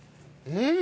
うん！